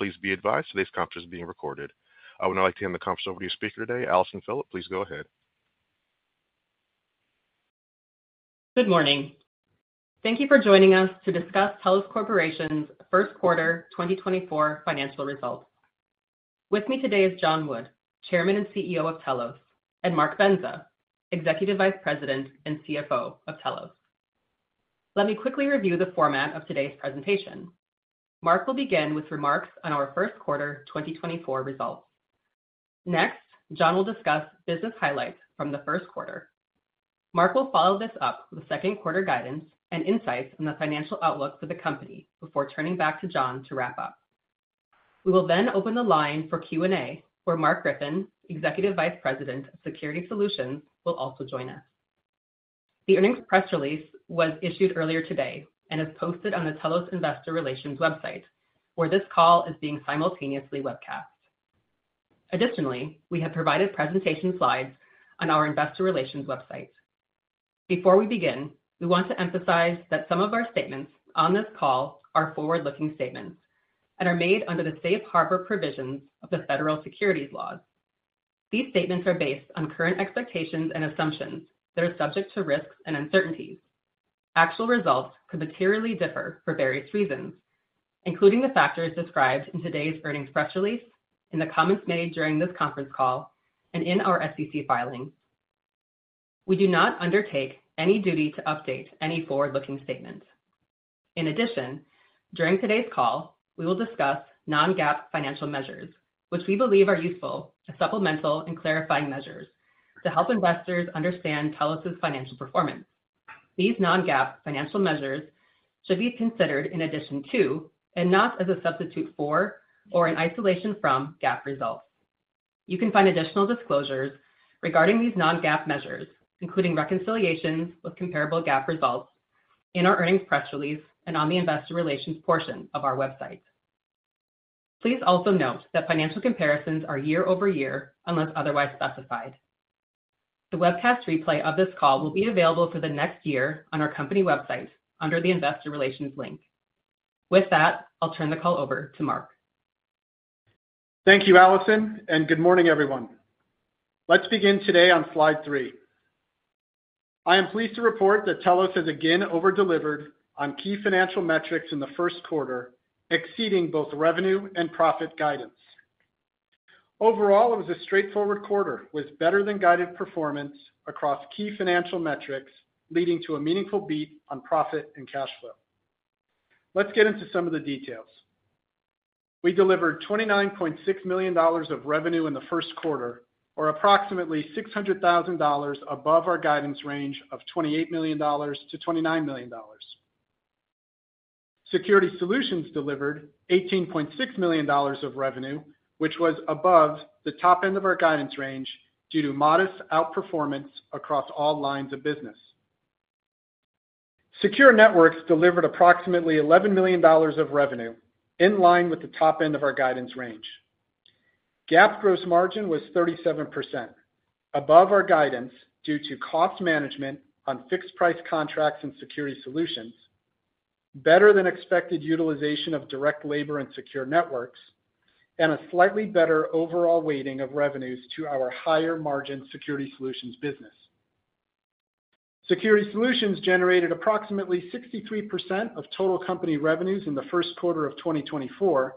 Please be advised that this conference is being recorded. I would now like to hand the conference over to your speaker today, Allison Phillipp. Please go ahead. Good morning. Thank you for joining us to discuss Telos Corporation's First Quarter 2024 Financial Results. With me today is John Wood, Chairman and CEO of Telos, and Mark Bendza, Executive Vice President and CFO of Telos. Let me quickly review the format of today's presentation. Mark will begin with remarks on our first quarter 2024 results. Next, John will discuss business highlights from the first quarter. Mark will follow this up with second quarter guidance and insights on the financial outlook for the company before turning back to John to wrap up. We will then open the line for Q&A, where Mark Griffin, Executive Vice President of Security Solutions, will also join us. The earnings press release was issued earlier today and is posted on the Telos Investor Relations website, where this call is being simultaneously webcast. Additionally, we have provided presentation slides on our Investor Relations website. Before we begin, we want to emphasize that some of our statements on this call are forward-looking statements and are made under the safe harbor provisions of the federal securities laws. These statements are based on current expectations and assumptions that are subject to risks and uncertainties. Actual results could materially differ for various reasons, including the factors described in today's earnings press release, in the comments made during this conference call, and in our SEC filings. We do not undertake any duty to update any forward-looking statements. In addition, during today's call, we will discuss non-GAAP financial measures, which we believe are useful as supplemental and clarifying measures to help investors understand Telos's financial performance. These non-GAAP financial measures should be considered in addition to and not as a substitute for or in isolation from GAAP results. You can find additional disclosures regarding these non-GAAP measures, including reconciliations with comparable GAAP results, in our earnings press release and on the Investor Relations portion of our website. Please also note that financial comparisons are year-over-year unless otherwise specified. The webcast replay of this call will be available for the next year on our company website under the Investor Relations link. With that, I'll turn the call over to Mark. Thank you, Allison, and good morning, everyone. Let's begin today on slide 3. I am pleased to report that Telos has again overdelivered on key financial metrics in the first quarter, exceeding both revenue and profit guidance. Overall, it was a straightforward quarter with better-than-guided performance across key financial metrics, leading to a meaningful beat on profit and cash flow. Let's get into some of the details. We delivered $29.6 million of revenue in the first quarter, or approximately $600,000 above our guidance range of $28 million-$29 million. Security Solutions delivered $18.6 million of revenue, which was above the top end of our guidance range due to modest outperformance across all lines of business. Secure Networks delivered approximately $11 million of revenue, in line with the top end of our guidance range. GAAP gross margin was 37%, above our guidance due to cost management on fixed-price contracts in Security Solutions, better-than-expected utilization of direct labor in Secure Networks, and a slightly better overall weighting of revenues to our higher-margin Security Solutions business. Security Solutions generated approximately 63% of total company revenues in the first quarter of 2024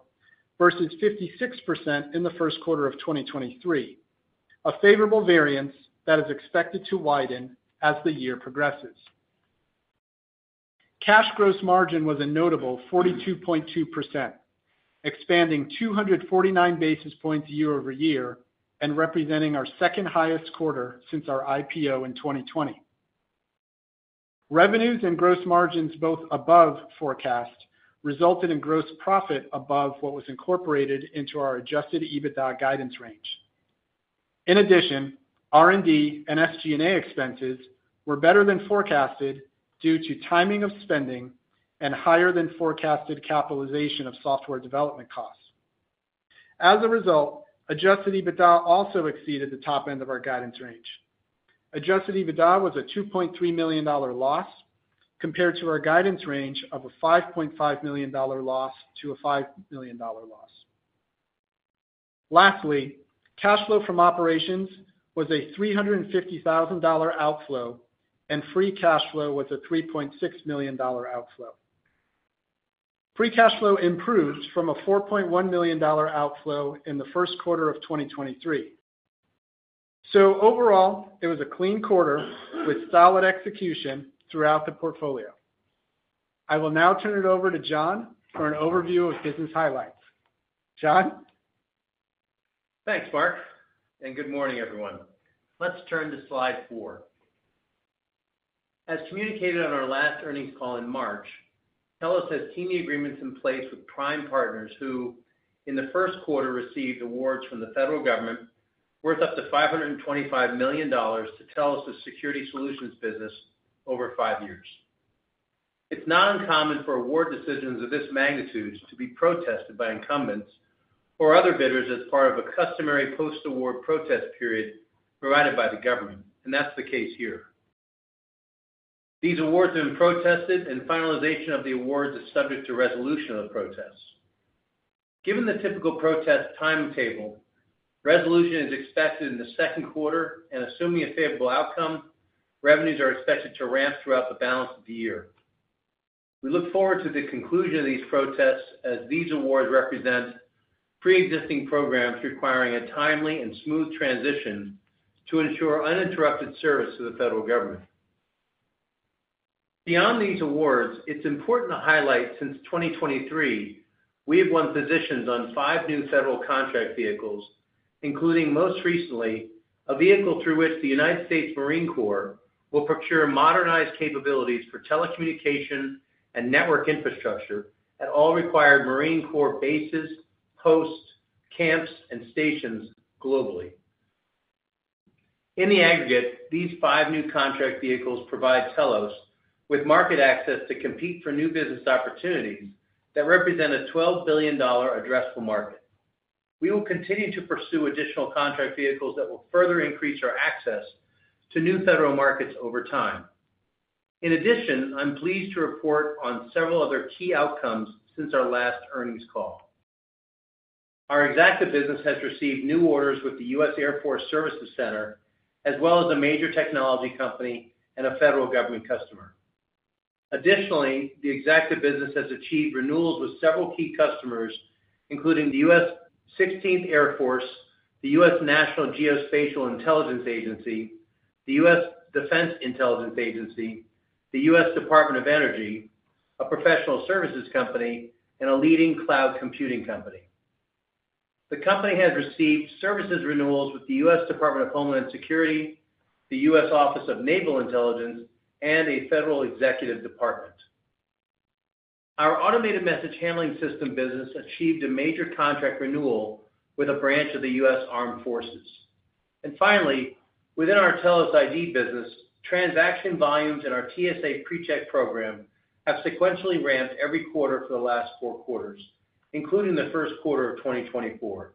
versus 56% in the first quarter of 2023, a favorable variance that is expected to widen as the year progresses. Cash gross margin was a notable 42.2%, expanding 249 basis points year-over-year and representing our second-highest quarter since our IPO in 2020. Revenues and gross margins both above forecast resulted in gross profit above what was incorporated into our Adjusted EBITDA guidance range. In addition, R&D and SG&A expenses were better than forecasted due to timing of spending and higher-than-forecasted capitalization of software development costs. As a result, Adjusted EBITDA also exceeded the top end of our guidance range. Adjusted EBITDA was a $2.3 million loss compared to our guidance range of a $5.5 million-$5 million loss. Lastly, cash flow from operations was a $350,000 outflow, and free cash flow was a $3.6 million outflow. Free cash flow improved from a $4.1 million outflow in the first quarter of 2023. So overall, it was a clean quarter with solid execution throughout the portfolio. I will now turn it over to John for an overview of business highlights. John? Thanks, Mark, and good morning, everyone. Let's turn to slide 4. As communicated on our last earnings call in March, Telos has teaming agreements in place with prime partners who, in the first quarter, received awards from the federal government worth up to $525 million to Telos's Security Solutions business over five years. It's not uncommon for award decisions of this magnitude to be protested by incumbents or other bidders as part of a customary post-award protest period provided by the government, and that's the case here. These awards have been protested, and finalization of the awards is subject to resolution of the protests. Given the typical protest timetable, resolution is expected in the second quarter, and assuming a favorable outcome, revenues are expected to ramp throughout the balance of the year. We look forward to the conclusion of these protests as these awards represent pre-existing programs requiring a timely and smooth transition to ensure uninterrupted service to the federal government. Beyond these awards, it's important to highlight since 2023 we have won positions on five new federal contract vehicles, including most recently a vehicle through which the United States Marine Corps will procure modernized capabilities for telecommunication and network infrastructure at all required Marine Corps bases, posts, camps, and stations globally. In the aggregate, these five new contract vehicles provide Telos with market access to compete for new business opportunities that represent a $12 billion addressable market. We will continue to pursue additional contract vehicles that will further increase our access to new federal markets over time. In addition, I'm pleased to report on several other key outcomes since our last earnings call. Our executive business has received new orders with the U.S. Air Force Services Center, as well as a major technology company and a federal government customer. Additionally, the executive business has achieved renewals with several key customers, including the U.S. 16th Air Force, the U.S. National Geospatial-Intelligence Agency, the U.S. Defense Intelligence Agency, the U.S. Department of Energy, a professional services company, and a leading cloud computing company. The company has received services renewals with the U.S. Department of Homeland Security, the U.S. Office of Naval Intelligence, and a federal executive department. Our Automated Message Handling System business achieved a major contract renewal with a branch of the U.S. Armed Forces. And finally, within our Telos ID business, transaction volumes in our TSA PreCheck program have sequentially ramped every quarter for the last four quarters, including the first quarter of 2024.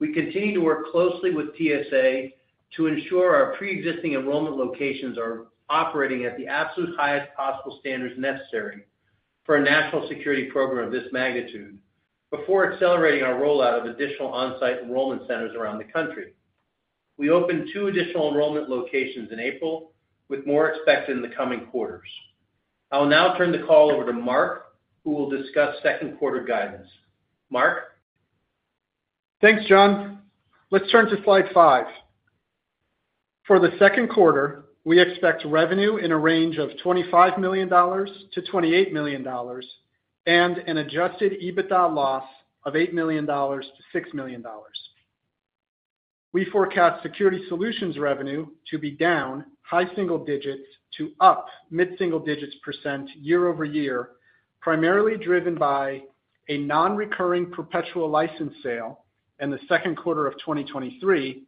We continue to work closely with TSA to ensure our pre-existing enrollment locations are operating at the absolute highest possible standards necessary for a national security program of this magnitude before accelerating our rollout of additional on-site enrollment centers around the country. We opened two additional enrollment locations in April, with more expected in the coming quarters. I will now turn the call over to Mark, who will discuss second quarter guidance. Mark? Thanks, John. Let's turn to slide 5. For the second quarter, we expect revenue in a range of $25 million-$28 million and an adjusted EBITDA loss of $8 million-$6 million. We forecast Security Solutions revenue to be down high single digits to up mid-single digits % year-over-year, primarily driven by a non-recurring perpetual license sale in the second quarter of 2023,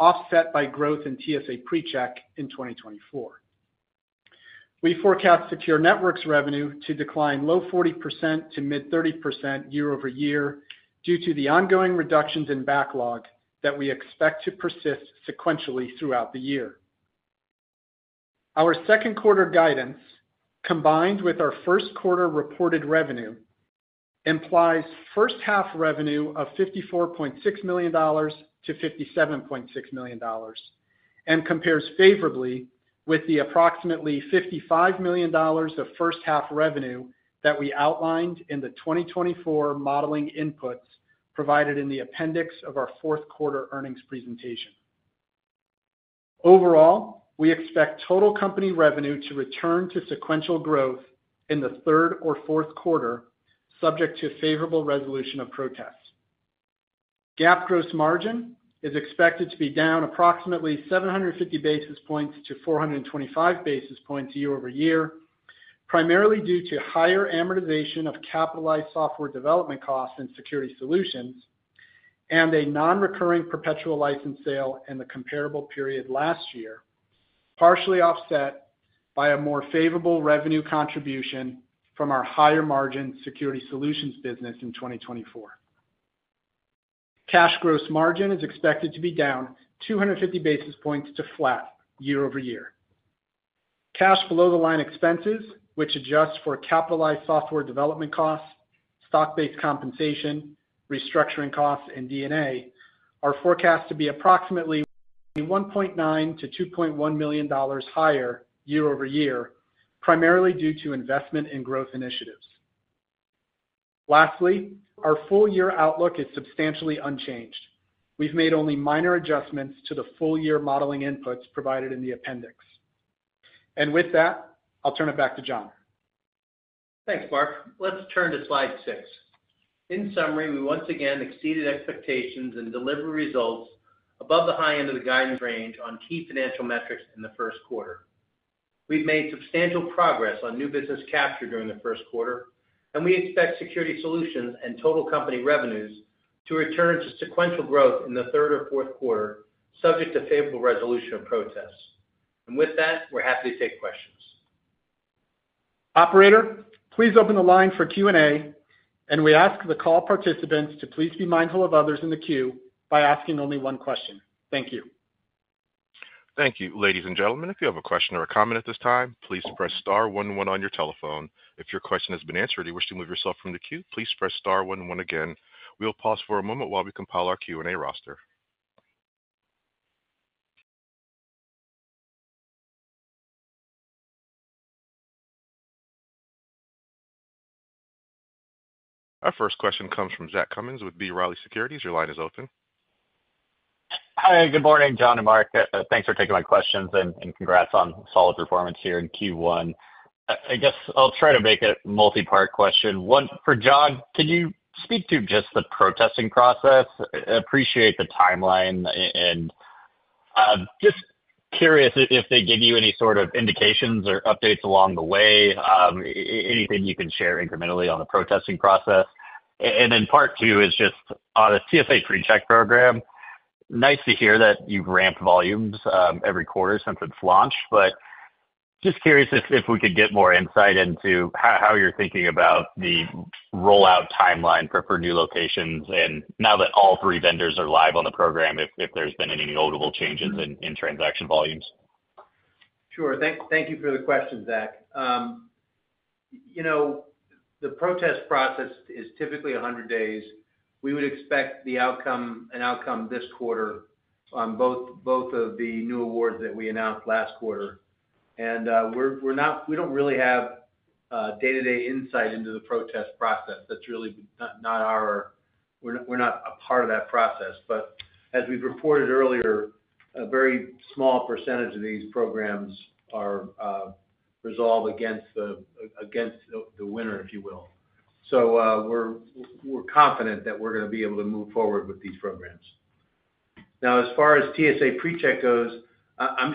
offset by growth in TSA PreCheck in 2024. We forecast Secure Networks revenue to decline low 40%-mid-30% year-over-year due to the ongoing reductions in backlog that we expect to persist sequentially throughout the year. Our second quarter guidance, combined with our first quarter reported revenue, implies first-half revenue of $54.6 million-$57.6 million and compares favorably with the approximately $55 million of first-half revenue that we outlined in the 2024 modeling inputs provided in the appendix of our fourth quarter earnings presentation. Overall, we expect total company revenue to return to sequential growth in the third or fourth quarter, subject to favorable resolution of protests. GAAP gross margin is expected to be down approximately 750-425 basis points year-over-year, primarily due to higher amortization of capitalized software development costs in Security Solutions and a non-recurring perpetual license sale in the comparable period last year, partially offset by a more favorable revenue contribution from our higher-margin Security Solutions business in 2024. Cash gross margin is expected to be down 250 basis points to flat year-over-year. Cash below-the-line expenses, which adjust for capitalized software development costs, stock-based compensation, restructuring costs, and D&A, are forecast to be approximately $1.9-$2.1 million higher year-over-year, primarily due to investment in growth initiatives. Lastly, our full-year outlook is substantially unchanged. We've made only minor adjustments to the full-year modeling inputs provided in the appendix. And with that, I'll turn it back to John. Thanks, Mark. Let's turn to slide 6. In summary, we once again exceeded expectations and delivered results above the high end of the guidance range on key financial metrics in the first quarter. We've made substantial progress on new business capture during the first quarter, and we expect Security Solutions and total company revenues to return to sequential growth in the third or fourth quarter, subject to favorable resolution of protests. With that, we're happy to take questions. Operator, please open the line for Q&A, and we ask the call participants to please be mindful of others in the queue by asking only one question. Thank you. Thank you. Ladies and gentlemen, if you have a question or a comment at this time, please press star 11 on your telephone. If your question has been answered or you wish to move yourself from the queue, please press star 11 again. We'll pause for a moment while we compile our Q&A roster. Our first question comes from Zach Cummins with B. Riley Securities. Your line is open. Hi. Good morning, John and Mark. Thanks for taking my questions and congrats on solid performance here in Q1. I guess I'll try to make it a multi-part question. One, for John, can you speak to just the protesting process, appreciate the timeline, and just curious if they give you any sort of indications or updates along the way, anything you can share incrementally on the protesting process? And then part two is just on the TSA PreCheck program. Nice to hear that you've ramped volumes every quarter since its launch, but just curious if we could get more insight into how you're thinking about the rollout timeline for new locations and now that all three vendors are live on the program, if there's been any notable changes in transaction volumes. Sure. Thank you for the question, Zach. The protest process is typically 100 days. We would expect an outcome this quarter on both of the new awards that we announced last quarter. We don't really have day-to-day insight into the protest process. That's really not our. We're not a part of that process. As we've reported earlier, a very small percentage of these programs resolve against the winner, if you will. We're confident that we're going to be able to move forward with these programs. Now, as far as TSA PreCheck goes, I'm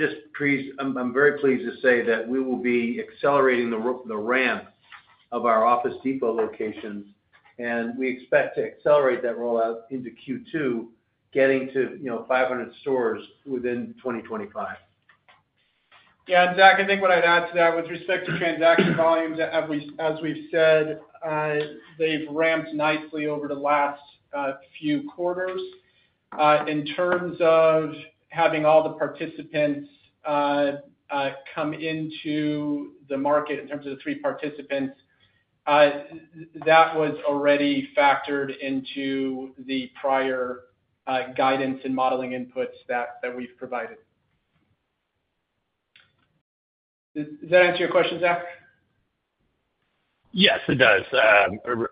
very pleased to say that we will be accelerating the ramp of our Office Depot locations, and we expect to accelerate that rollout into Q2, getting to 500 stores within 2025. Yeah, Zach, I think what I'd add to that with respect to transaction volumes, as we've said, they've ramped nicely over the last few quarters. In terms of having all the participants come into the market, in terms of the three participants, that was already factored into the prior guidance and modeling inputs that we've provided. Does that answer your question, Zach? Yes, it does.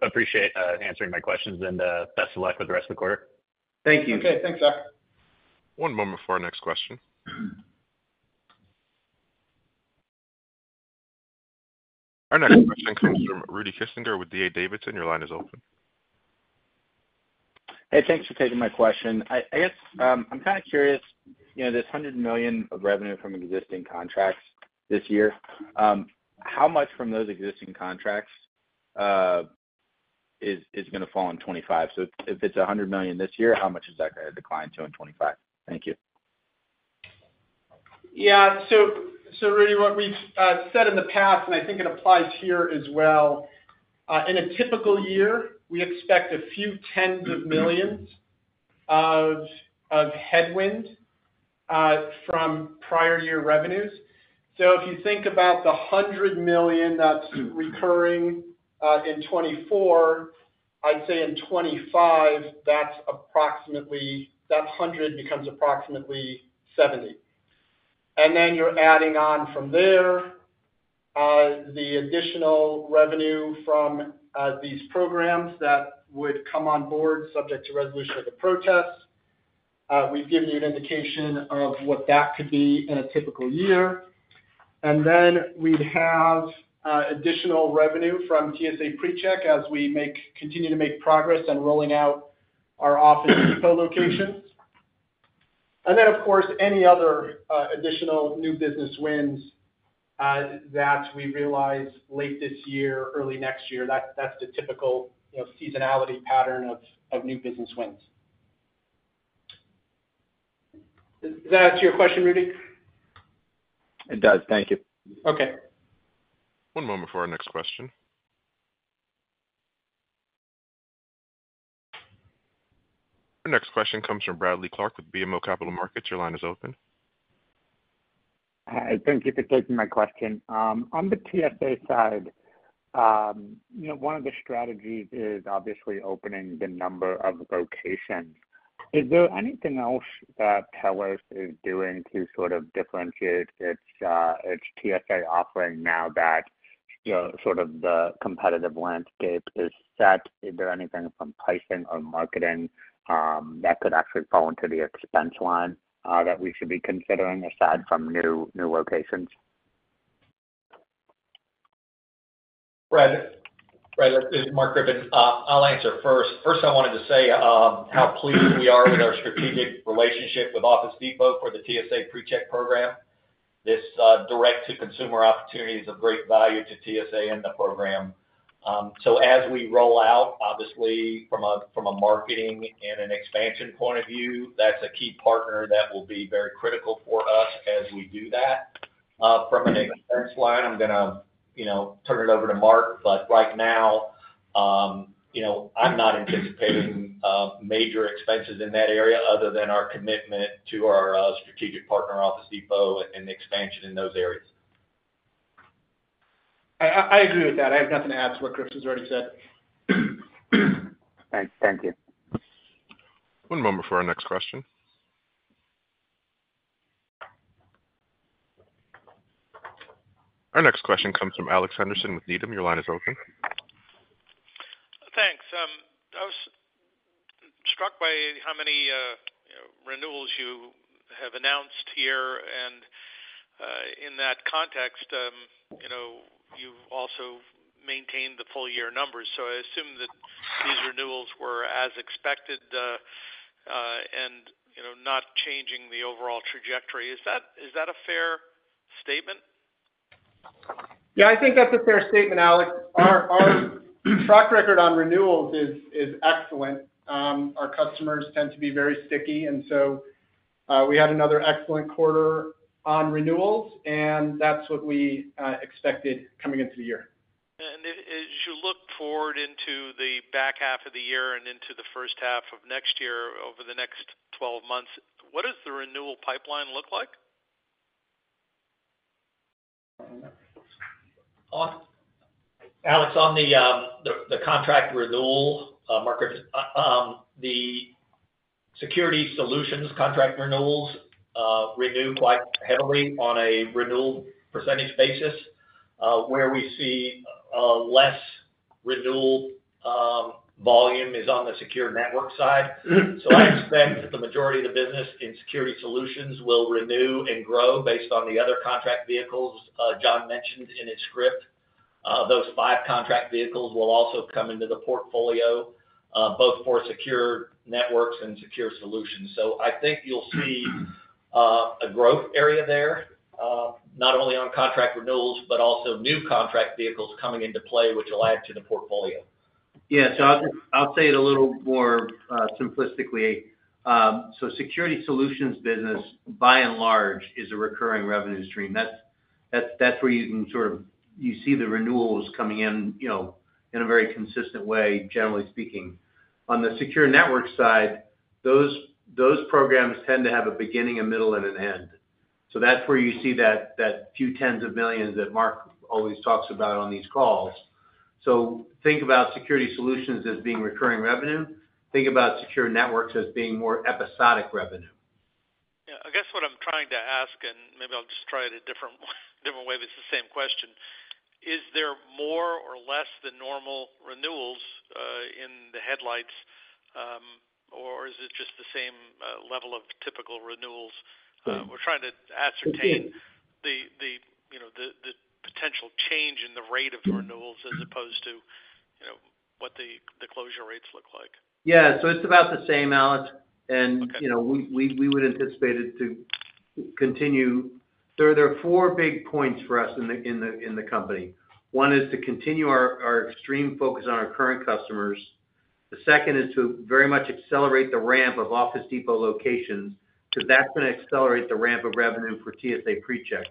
Appreciate answering my questions, and best of luck with the rest of the quarter. Thank you. Okay. Thanks, Zach. One moment for our next question. Our next question comes from Rudy Kessinger with D.A. Davidson. Your line is open. Hey, thanks for taking my question. I guess I'm kind of curious. This $100 million of revenue from existing contracts this year, how much from those existing contracts is going to fall in 2025? So if it's $100 million this year, how much is that going to decline to in 2025? Thank you. Yeah. So Rudy, what we've said in the past, and I think it applies here as well, in a typical year, we expect a few tens of millions of headwind from prior-year revenues. So if you think about the $100 million that's recurring in 2024, I'd say in 2025, that $100 million becomes approximately $70 million. And then you're adding on from there the additional revenue from these programs that would come on board, subject to resolution of the protests. We've given you an indication of what that could be in a typical year. And then we'd have additional revenue from TSA PreCheck as we continue to make progress in rolling out our Office Depot locations. And then, of course, any other additional new business wins that we realize late this year, early next year. That's the typical seasonality pattern of new business wins. Does that answer your question, Rudy? It does. Thank you. Okay. One moment for our next question. Our next question comes from Bradley Clark with BMO Capital Markets. Your line is open. Thank you for taking my question. On the TSA side, one of the strategies is obviously opening the number of locations. Is there anything else that Telos is doing to sort of differentiate its TSA offering now that sort of the competitive landscape is set? Is there anything from pricing or marketing that could actually fall into the expense line that we should be considering aside from new locations? Bradley, Mark Griffin. I'll answer first. First, I wanted to say how pleased we are with our strategic relationship with Office Depot for the TSA PreCheck program. This direct-to-consumer opportunity is of great value to TSA and the program. So as we roll out, obviously, from a marketing and an expansion point of view, that's a key partner that will be very critical for us as we do that. From an expense line, I'm going to turn it over to Mark, but right now, I'm not anticipating major expenses in that area other than our commitment to our strategic partner, Office Depot, and the expansion in those areas. I agree with that. I have nothing to add to what Griffin's already said. Thank you. One moment for our next question. Our next question comes from Alex Henderson with Needham. Your line is open. Thanks. I was struck by how many renewals you have announced here. In that context, you've also maintained the full-year numbers. I assume that these renewals were as expected and not changing the overall trajectory. Is that a fair statement? Yeah, I think that's a fair statement, Alex. Our track record on renewals is excellent. Our customers tend to be very sticky. And so we had another excellent quarter on renewals, and that's what we expected coming into the year. As you look forward into the back half of the year and into the first half of next year over the next 12 months, what does the renewal pipeline look like? Alex, on the contract renewal, the Security Solutions contract renewals renew quite heavily on a renewal percentage basis, where we see less renewal volume is on the Secure Networks side. So I expect that the majority of the business in Security Solutions will renew and grow based on the other contract vehicles John mentioned in his script. Those five contract vehicles will also come into the portfolio, both for Secure Networks and Security Solutions. So I think you'll see a growth area there, not only on contract renewals but also new contract vehicles coming into play, which will add to the portfolio. Yeah. So I'll say it a little more simplistically. So Security Solutions business, by and large, is a recurring revenue stream. That's where you can sort of you see the renewals coming in in a very consistent way, generally speaking. On the Secure Networks side, those programs tend to have a beginning, a middle, and an end. So that's where you see that few tens of millions that Mark always talks about on these calls. So think about Security Solutions as being recurring revenue. Think about Secure Networks as being more episodic revenue. Yeah. I guess what I'm trying to ask - and maybe I'll just try it a different way but it's the same question - is there more or less than normal renewals in the headlights, or is it just the same level of typical renewals? We're trying to ascertain the potential change in the rate of renewals as opposed to what the closure rates look like. Yeah. So it's about the same, Alex. And we would anticipate it to continue. There are four big points for us in the company. One is to continue our extreme focus on our current customers. The second is to very much accelerate the ramp of Office Depot locations because that's going to accelerate the ramp of revenue for TSA PreCheck.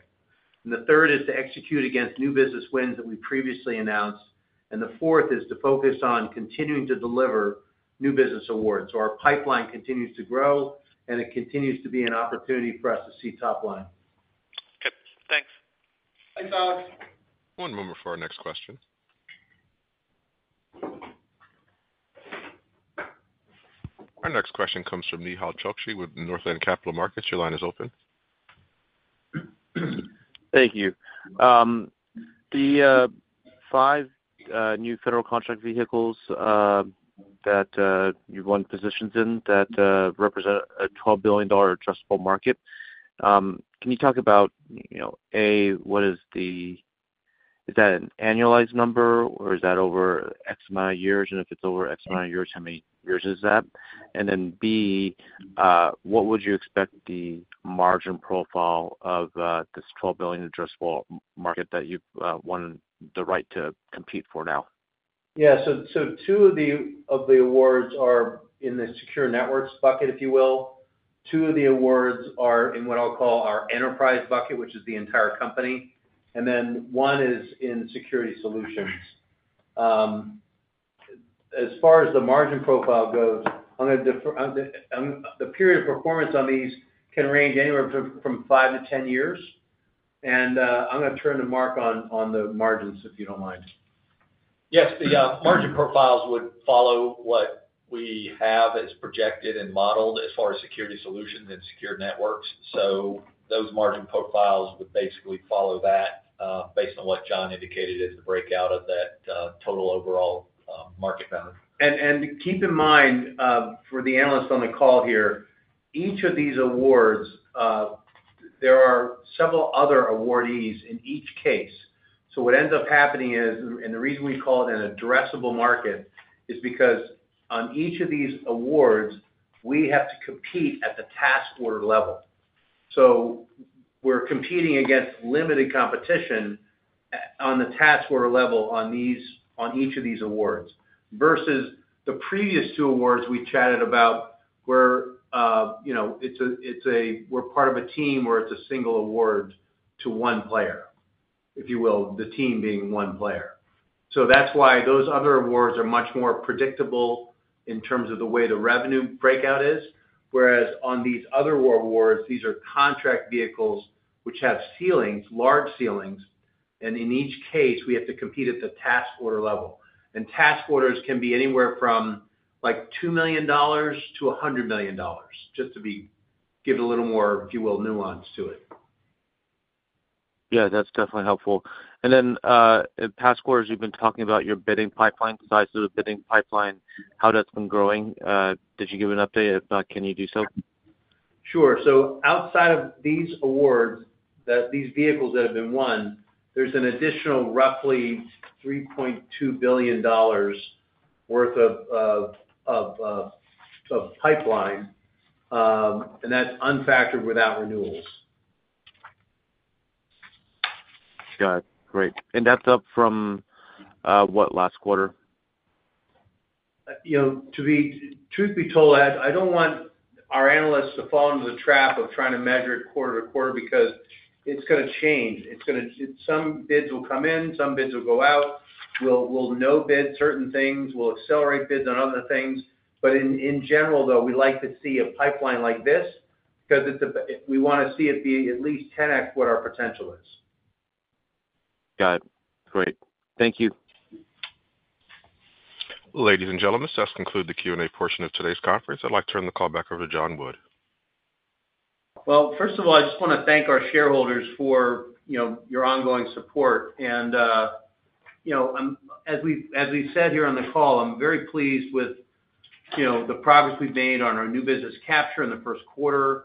And the third is to execute against new business wins that we previously announced. And the fourth is to focus on continuing to deliver new business awards. So our pipeline continues to grow, and it continues to be an opportunity for us to see top line. Okay. Thanks. Thanks, Alex. One moment for our next question. Our next question comes from Nehal Chokshi with Northland Capital Markets. Your line is open. Thank you. The five new federal contract vehicles that you've won positions in that represent a $12 billion addressable market, can you talk about, A, what is, is that an annualized number, or is that over X amount of years? And if it's over X amount of years, how many years is that? And then, B, what would you expect the margin profile of this $12 billion addressable market that you've won the right to compete for now? Yeah. So 2 of the awards are in the Secure Networks bucket, if you will. 2 of the awards are in what I'll call our enterprise bucket, which is the entire company. And then 1 is in Security Solutions. As far as the margin profile goes, I'm going to the period of performance on these can range anywhere from 5-10 years. And I'm going to turn to Mark on the margins, if you don't mind. Yes. The margin profiles would follow what we have as projected and modeled as far as Security Solutions and Secure Networks. So those margin profiles would basically follow that based on what John indicated as the breakout of that total overall market value. And keep in mind, for the analysts on the call here, each of these awards, there are several other awardees in each case. So what ends up happening is and the reason we call it an addressable market is because on each of these awards, we have to compete at the task order level. So we're competing against limited competition on the task order level on each of these awards versus the previous two awards we chatted about where it's we're part of a team where it's a single award to one player, if you will, the team being one player. So that's why those other awards are much more predictable in terms of the way the revenue breakout is. Whereas on these other awards, these are contract vehicles which have ceilings, large ceilings. And in each case, we have to compete at the task order level. And task orders can be anywhere from $2 million-$100 million, just to give it a little more, if you will, nuance to it. Yeah. That's definitely helpful. And then in task orders, you've been talking about your bidding pipeline, size of the bidding pipeline, how that's been growing. Did you give an update? If not, can you do so? Sure. So outside of these awards, these vehicles that have been won, there's an additional roughly $3.2 billion worth of pipeline, and that's unfactored without renewals. Got it. Great. That's up from what, last quarter? To be truthfully told, I don't want our analysts to fall into the trap of trying to measure it quarter to quarter because it's going to change. Some bids will come in. Some bids will go out. We'll no bid certain things. We'll accelerate bids on other things. But in general, though, we like to see a pipeline like this because we want to see it be at least 10x what our potential is. Got it. Great. Thank you. Ladies and gentlemen, that concludes the Q&A portion of today's conference. I'd like to turn the call back over to John Wood. Well, first of all, I just want to thank our shareholders for your ongoing support. And as we've said here on the call, I'm very pleased with the progress we've made on our new business capture in the first quarter.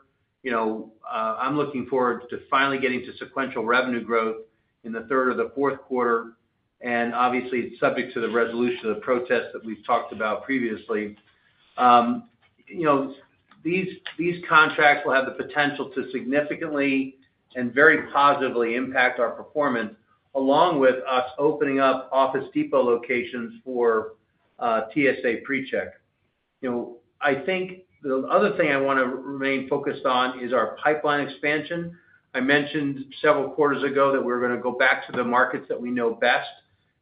I'm looking forward to finally getting to sequential revenue growth in the third or the fourth quarter. And obviously, it's subject to the resolution of the protests that we've talked about previously. These contracts will have the potential to significantly and very positively impact our performance along with us opening up Office Depot locations for TSA PreCheck. I think the other thing I want to remain focused on is our pipeline expansion. I mentioned several quarters ago that we're going to go back to the markets that we know best.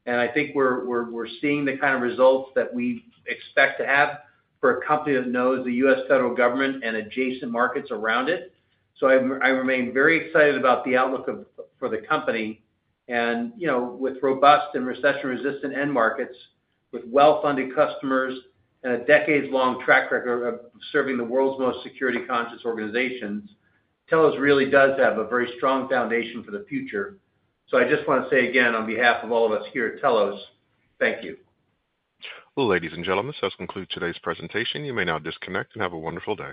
I think we're seeing the kind of results that we expect to have for a company that knows the U.S. federal government and adjacent markets around it. I remain very excited about the outlook for the company. With robust and recession-resistant end markets, with well-funded customers, and a decades-long track record of serving the world's most security-conscious organizations, Telos really does have a very strong foundation for the future. I just want to say again, on behalf of all of us here at Telos, thank you. Well, ladies and gentlemen, so that concludes today's presentation. You may now disconnect and have a wonderful day.